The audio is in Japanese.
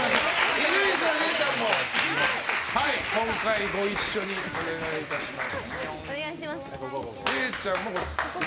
伊集院さん、れいちゃんも今回、ご一緒にお願いします。